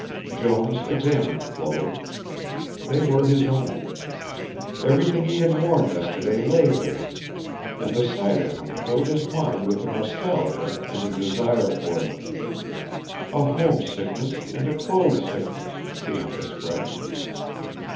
Jones examined the clothes. They were his own. Everything he had worn yesterday lay there, and the sight of them filled his mind with a nostalgia and a desire for them a home sickness and a clothes sickness beyond expression.